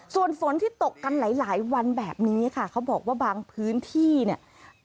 ส่วนฝนที่ตกกันหลายหลายวันแบบนี้ค่ะเขาบอกว่าบางพื้นที่เนี่ย